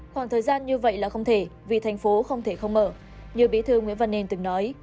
khoảng thời gian như vậy là không thể vì thành phố không thể không mở như bí thư nguyễn văn nên từng nói